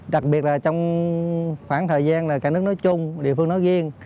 đặc biệt là trong khoảng thời gian là cả nước nói chung địa phương nói riêng